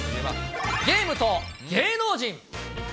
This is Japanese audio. ゲームと芸能人。